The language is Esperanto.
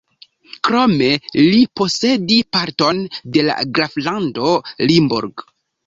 Krome li posedi parton de la graflando Limburg.